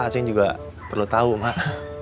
aceh juga perlu tahu mak